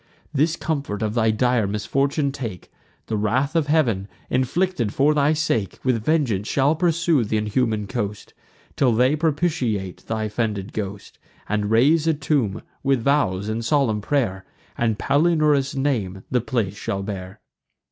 This comfort of thy dire misfortune take: The wrath of Heav'n, inflicted for thy sake, With vengeance shall pursue th' inhuman coast, Till they propitiate thy offended ghost, And raise a tomb, with vows and solemn pray'r; And Palinurus' name the place shall bear."